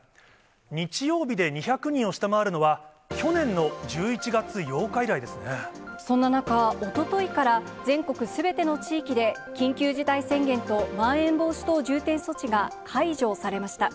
日曜日で２００人を下回るのは、そんな中、おとといから全国すべての地域で緊急事態宣言とまん延防止等重点措置が解除されました。